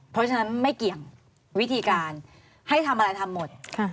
เพราะฉะนั้นไม่เกี่ยงวิธีการให้ทำอะไรทำหมด